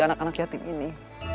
anak anak yatim ini